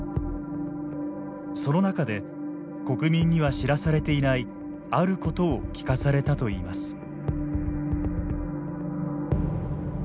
その中で国民には知らされていないあることを聞かされたと言います。